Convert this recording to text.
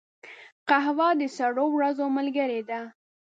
قهوه د سړو ورځو ملګرې ده